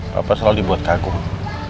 papa selalu dibuat kagum